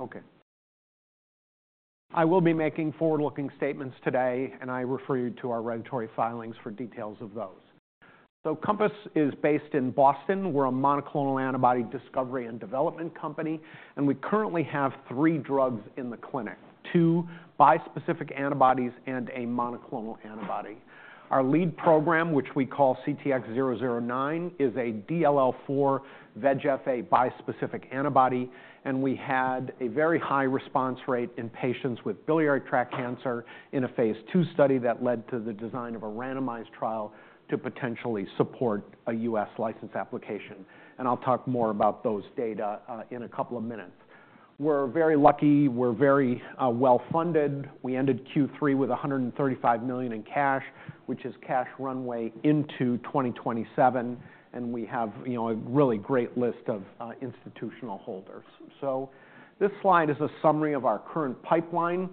Okay. I will be making forward-looking statements today, and I refer you to our regulatory filings for details of those. So, Compass is based in Boston. We're a monoclonal antibody discovery and development company, and we currently have three drugs in the clinic: two bispecific antibodies and a monoclonal antibody. Our lead program, which we call CTX009, is a DLL4 VEGF-A bispecific antibody, and we had a very high response rate in patients with biliary tract cancer in a phase II study that led to the design of a randomized trial to potentially support a U.S. license application. And I'll talk more about those data in a couple of minutes. We're very lucky. We're very well-funded. We ended Q3 with $135 million in cash, which is cash runway into 2027, and we have, you know, a really great list of institutional holders. This slide is a summary of our current pipeline.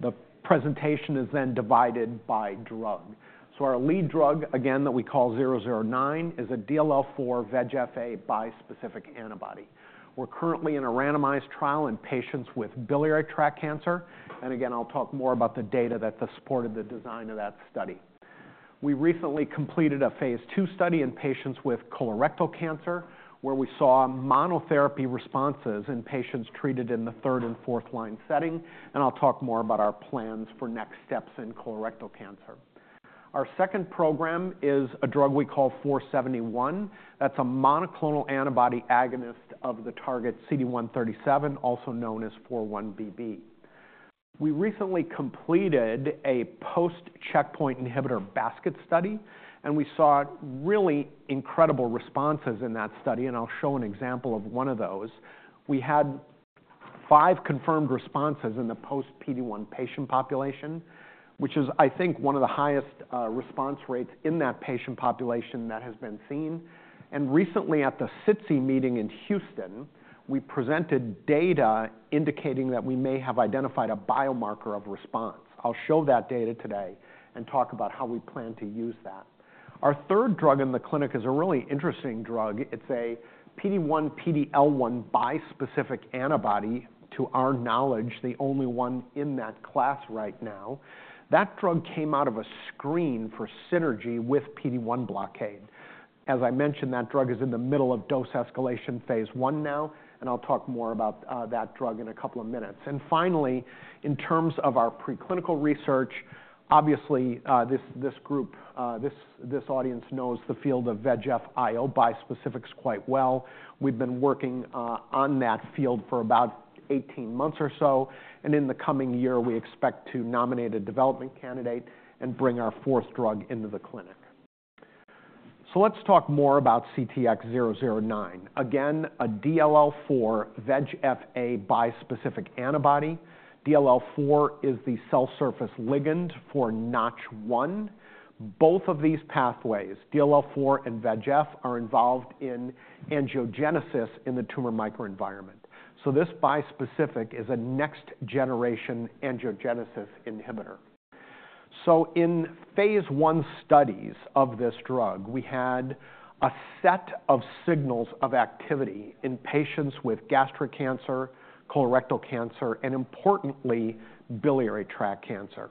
The presentation is then divided by drug. Our lead drug, again, that we call 009, is a DLL4 VEGF-A bispecific antibody. We're currently in a randomized trial in patients with biliary tract cancer, and again, I'll talk more about the data that supported the design of that study. We recently completed a phase II study in patients with colorectal cancer, where we saw monotherapy responses in patients treated in the third and fourth-line setting, and I'll talk more about our plans for next steps in colorectal cancer. Our second program is a drug we call 471. That's a monoclonal antibody agonist of the target CD137, also known as 4-1BB. We recently completed a post-checkpoint inhibitor basket study, and we saw really incredible responses in that study, and I'll show an example of one of those. We had five confirmed responses in the post-PD-1 patient population, which is, I think, one of the highest response rates in that patient population that has been seen. And recently, at the SITC meeting in Houston, we presented data indicating that we may have identified a biomarker of response. I'll show that data today and talk about how we plan to use that. Our third drug in the clinic is a really interesting drug. It's a PD-1/PD-L1 bispecific antibody, to our knowledge, the only one in that class right now. That drug came out of a screen for synergy with PD-1 blockade. As I mentioned, that drug is in the middle of dose escalation phase I now, and I'll talk more about that drug in a couple of minutes. And finally, in terms of our preclinical research, obviously, this group, this audience knows the field of VEGF-IO bispecifics quite well. We've been working on that field for about 18 months or so, and in the coming year, we expect to nominate a development candidate and bring our fourth drug into the clinic, so let's talk more about CTX009. Again, a DLL4 VEGF-A bispecific antibody. DLL4 is the cell surface ligand for NOTCH1. Both of these pathways, DLL4 and VEGF, are involved in angiogenesis in the tumor microenvironment, so this bispecific is a next-generation angiogenesis inhibitor, so in phase I studies of this drug, we had a set of signals of activity in patients with gastric cancer, colorectal cancer, and importantly, biliary tract cancer.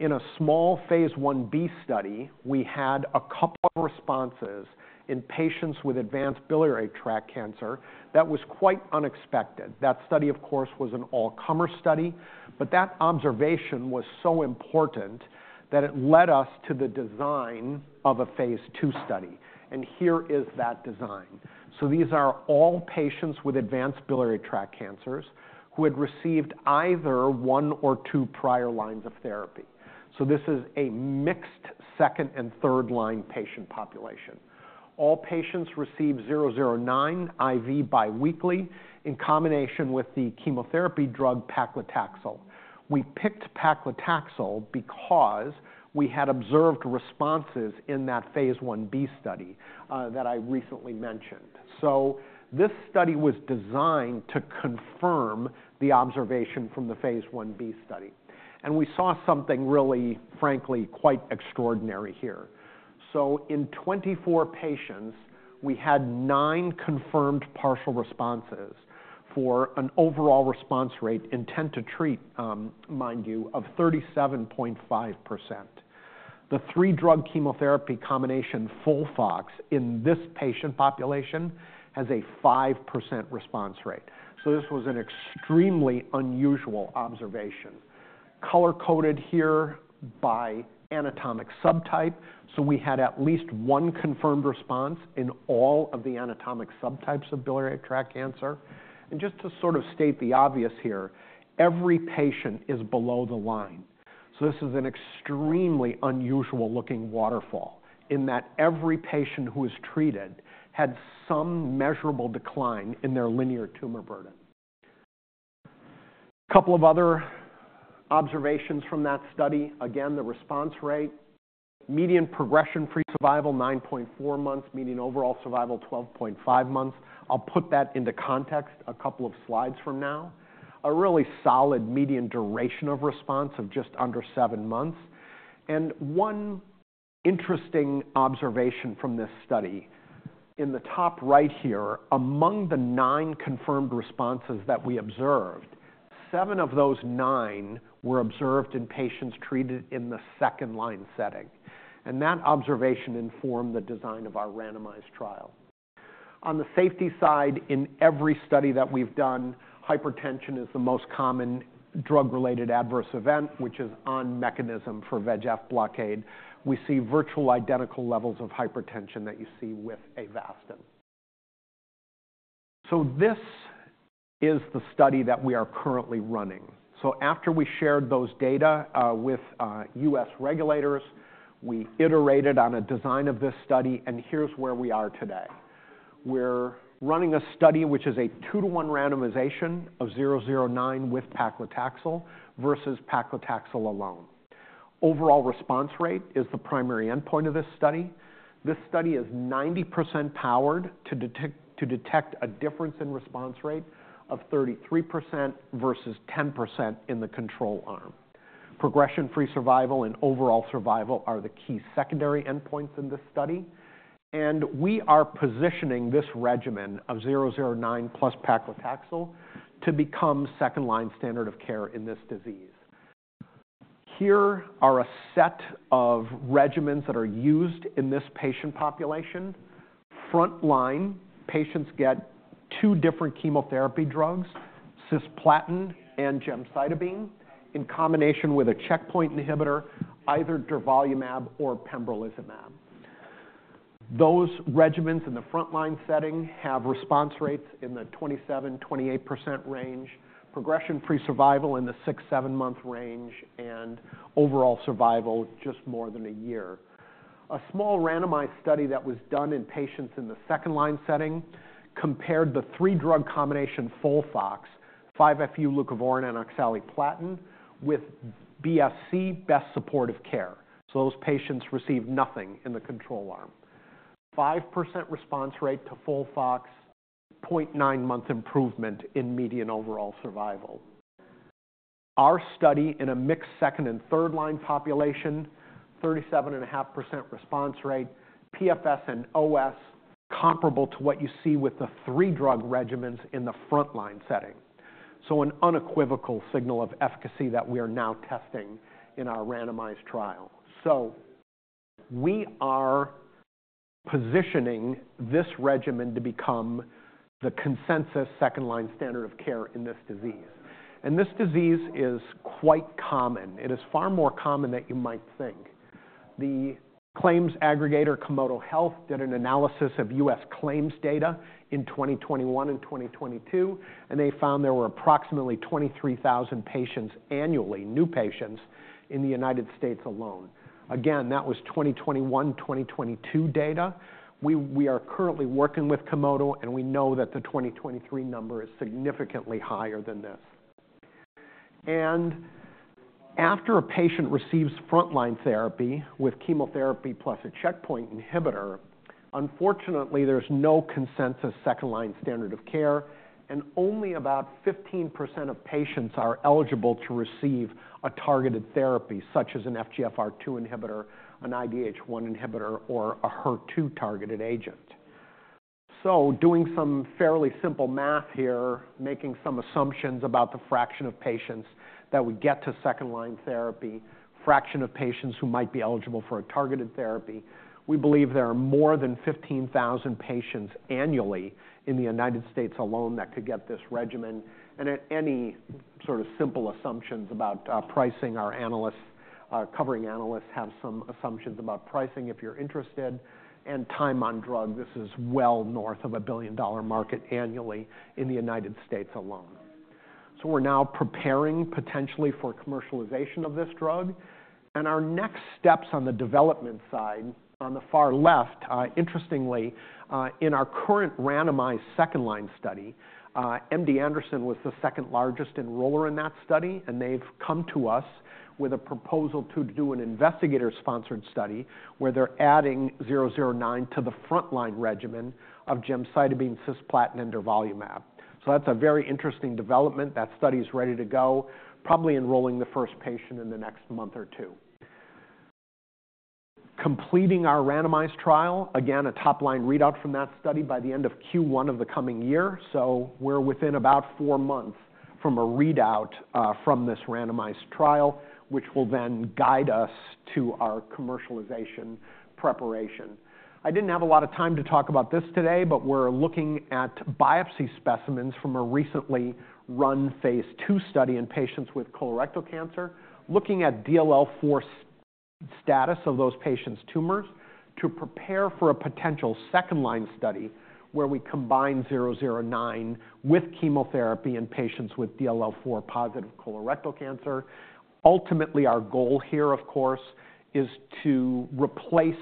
In a small Phase Ib study, we had a couple of responses in patients with advanced biliary tract cancer that was quite unexpected. That study, of course, was an all-comer study, but that observation was so important that it led us to the design of a phase II study, and here is that design. So, these are all patients with advanced biliary tract cancers who had received either one or two prior lines of therapy. So, this is a mixed second and third-line patient population. All patients received 009 IV biweekly in combination with the chemotherapy drug paclitaxel. We picked paclitaxel because we had observed responses in that Phase Ib study that I recently mentioned. So, this study was designed to confirm the observation from the Phase Ib study, and we saw something really, frankly, quite extraordinary here. So, in 24 patients, we had nine confirmed partial responses for an overall response rate intent to treat, mind you, of 37.5%. The three-drug chemotherapy combination FOLFOX in this patient population has a 5% response rate. So, this was an extremely unusual observation. Color-coded here by anatomic subtype, so we had at least one confirmed response in all of the anatomic subtypes of biliary tract cancer. And just to sort of state the obvious here, every patient is below the line. So, this is an extremely unusual-looking waterfall in that every patient who was treated had some measurable decline in their linear tumor burden. A couple of other observations from that study. Again, the response rate, median progression-free survival 9.4 months, median overall survival 12.5 months. I'll put that into context a couple of slides from now. A really solid median duration of response of just under seven months. And one interesting observation from this study: in the top right here, among the nine confirmed responses that we observed, seven of those nine were observed in patients treated in the second-line setting, and that observation informed the design of our randomized trial. On the safety side, in every study that we've done, hypertension is the most common drug-related adverse event, which is on mechanism for VEGF blockade. We see virtually identical levels of hypertension that you see with Avastin. So, this is the study that we are currently running. So, after we shared those data with U.S. regulators, we iterated on a design of this study, and here's where we are today. We're running a study which is a two-to-one randomization of 009 with paclitaxel versus paclitaxel alone. Overall response rate is the primary endpoint of this study. This study is 90% powered to detect a difference in response rate of 33% versus 10% in the control arm. Progression-free survival and overall survival are the key secondary endpoints in this study, and we are positioning this regimen of 009 plus paclitaxel to become second-line standard of care in this disease. Here are a set of regimens that are used in this patient population. Front-line patients get two different chemotherapy drugs, cisplatin and gemcitabine, in combination with a checkpoint inhibitor, either durvalumab or pembrolizumab. Those regimens in the front-line setting have response rates in the 27%-28% range, progression-free survival in the six-seven-month range, and overall survival just more than a year. A small randomized study that was done in patients in the second-line setting compared the three-drug combination FOLFOX, 5-FU, leucovorin, and oxaliplatin with BSC, best supportive care. Those patients received nothing in the control arm. 5% response rate to FOLFOX, 0.9-month improvement in median overall survival. Our study in a mixed second and third-line population, 37.5% response rate, PFS and OS, comparable to what you see with the three-drug regimens in the front-line setting. So, an unequivocal signal of efficacy that we are now testing in our randomized trial. So, we are positioning this regimen to become the consensus second-line standard of care in this disease, and this disease is quite common. It is far more common than you might think. The claims aggregator Komodo Health did an analysis of U.S. claims data in 2021 and 2022, and they found there were approximately 23,000 patients annually, new patients, in the United States alone. Again, that was 2021-2022 data. We are currently working with Komodo, and we know that the 2023 number is significantly higher than this. And after a patient receives front-line therapy with chemotherapy plus a checkpoint inhibitor, unfortunately, there's no consensus second-line standard of care, and only about 15% of patients are eligible to receive a targeted therapy such as an FGFR2 inhibitor, an IDH1 inhibitor, or a HER2 targeted agent. So, doing some fairly simple math here, making some assumptions about the fraction of patients that would get to second-line therapy, fraction of patients who might be eligible for a targeted therapy, we believe there are more than 15,000 patients annually in the United States alone that could get this regimen. And any sort of simple assumptions about pricing, our analysts, our covering analysts, have some assumptions about pricing if you're interested. And time on drug, this is well north of a $1 billion market annually in the United States alone. So, we're now preparing potentially for commercialization of this drug, and our next steps on the development side, on the far left, interestingly, in our current randomized second-line study, MD Anderson was the second largest enroller in that study, and they've come to us with a proposal to do an investigator-sponsored study where they're adding 009 to the front-line regimen of gemcitabine, cisplatin, and durvalumab. So, that's a very interesting development. That study is ready to go, probably enrolling the first patient in the next month or two. Completing our randomized trial, again, a top-line readout from that study by the end of Q1 of the coming year, so we're within about four months from a readout from this randomized trial, which will then guide us to our commercialization preparation. I didn't have a lot of time to talk about this today, but we're looking at biopsy specimens from a recently run phase II study in patients with colorectal cancer, looking at DLL4 status of those patients' tumors to prepare for a potential second-line study where we combine 009 with chemotherapy in patients with DLL4 positive colorectal cancer. Ultimately, our goal here, of course, is to replace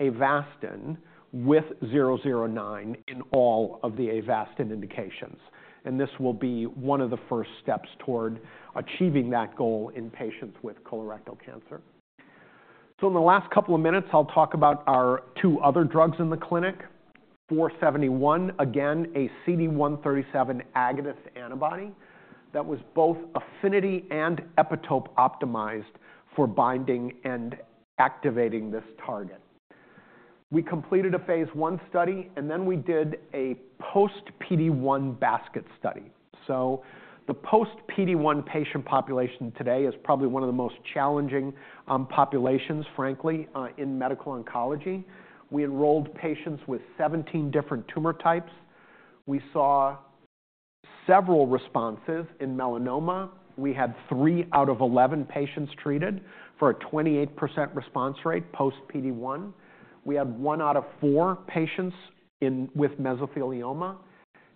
Avastin with 009 in all of the Avastin indications, and this will be one of the first steps toward achieving that goal in patients with colorectal cancer. So, in the last couple of minutes, I'll talk about our two other drugs in the clinic. 471, again, a CD137 agonist antibody that was both affinity and epitope optimized for binding and activating this target. We completed a phase I study, and then we did a Post-PD-1 basket study. The post-PD-1 patient population today is probably one of the most challenging populations, frankly, in medical oncology. We enrolled patients with 17 different tumor types. We saw several responses in melanoma. We had three out of 11 patients treated for a 28% response rate post-PD-1. We had one out of four patients with mesothelioma,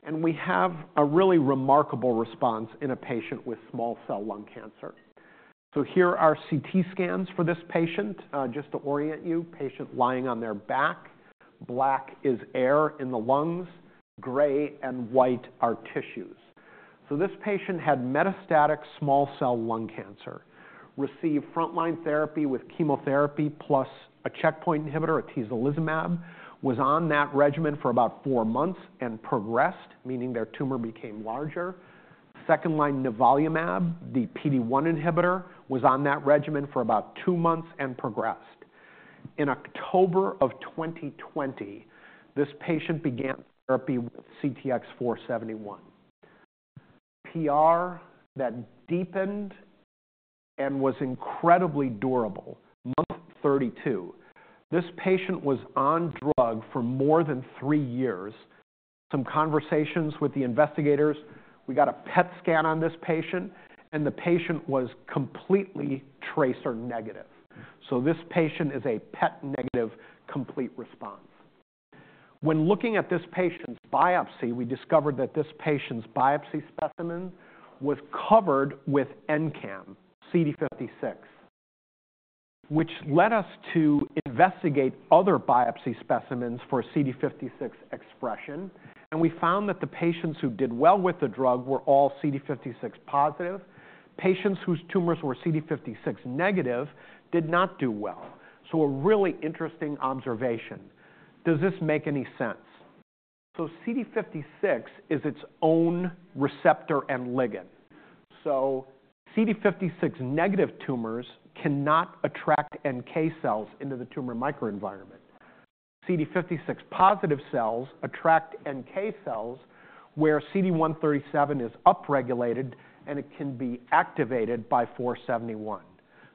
and we have a really remarkable response in a patient with small cell lung cancer. Here are CT scans for this patient. Just to orient you, patient lying on their back, black is air in the lungs, gray and white are tissues. This patient had metastatic small cell lung cancer, received front-line therapy with chemotherapy plus a checkpoint inhibitor, atezolizumab, was on that regimen for about four months and progressed, meaning their tumor became larger. Second-line nivolumab, the PD-1 inhibitor, was on that regimen for about two months and progressed. In October of 2020, this patient began therapy with CTX471. PR that deepened and was incredibly durable, month 32. This patient was on drug for more than three years. Some conversations with the investigators, we got a PET scan on this patient, and the patient was completely tracer negative. So, this patient is a PET negative complete response. When looking at this patient's biopsy, we discovered that this patient's biopsy specimen was covered with NCAM, CD56, which led us to investigate other biopsy specimens for CD56 expression, and we found that the patients who did well with the drug were all CD56 positive. Patients whose tumors were CD56 negative did not do well. So, a really interesting observation. Does this make any sense? So, CD56 is its own receptor and ligand. So, CD56 negative tumors cannot attract NK cells into the tumor microenvironment. CD56-positive cells attract NK cells where CD137 is upregulated and it can be activated by 471.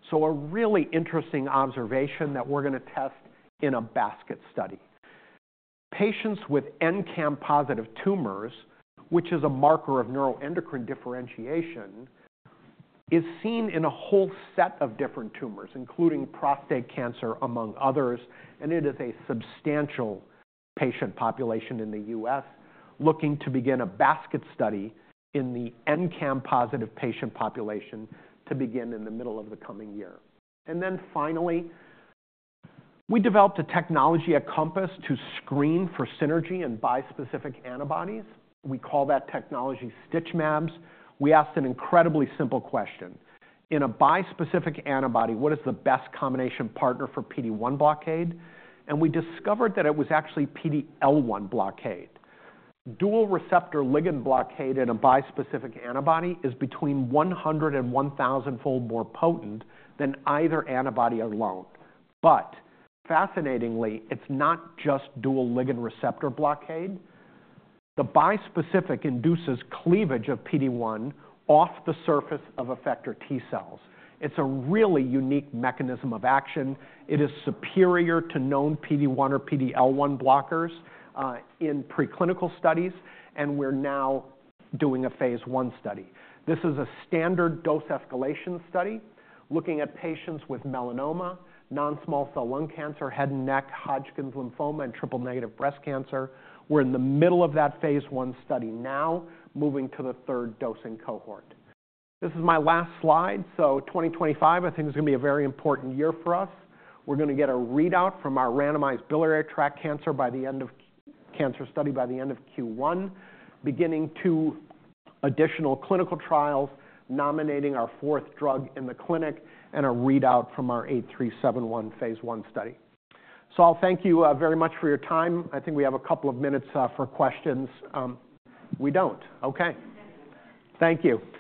So, a really interesting observation that we're going to test in a basket study. Patients with NCAM-positive tumors, which is a marker of neuroendocrine differentiation, is seen in a whole set of different tumors, including prostate cancer among others, and it is a substantial patient population in the U.S. looking to begin a basket study in the NCAM-positive patient population to begin in the middle of the coming year. And then finally, we developed a technology at Compass to screen for synergy and bispecific antibodies. We call that technology StitchMabs. We asked an incredibly simple question: in a bispecific antibody, what is the best combination partner for PD-1 blockade? And we discovered that it was actually PD-L1 blockade. Dual receptor ligand blockade in a bispecific antibody is between 100 and 1,000-fold more potent than either antibody alone. But fascinatingly, it's not just dual ligand receptor blockade. The bispecific induces cleavage of PD-1 off the surface of effector T cells. It's a really unique mechanism of action. It is superior to known PD-1 or PD-L1 blockers in preclinical studies, and we're now doing a phase I study. This is a standard dose escalation study looking at patients with melanoma, non-small cell lung cancer, head and neck, Hodgkin's lymphoma, and triple negative breast cancer. We're in the middle of that phase I study now, moving to the third dosing cohort. This is my last slide. So, 2025, I think, is going to be a very important year for us. We're going to get a readout from our randomized biliary tract cancer study by the end of Q1, beginning two additional clinical trials, nominating our fourth drug in the clinic, and a readout from our 8371 phase I study. So, I'll thank you very much for your time. I think we have a couple of minutes for questions. We don't. Okay. Thank you.